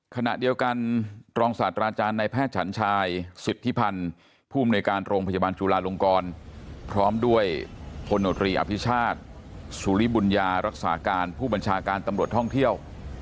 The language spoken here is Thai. ขณะเดียวกันรองศาสตราจารย์ในแพทย์ฉันชายสิทธิพันธ์ผู้มนุยการโรงพยาบาลจุลาลงกรพร้อมด้วยพลโนตรีอภิชาติสุริบุญญารักษาการผู้บัญชาการตำรวจท่องเที่ยว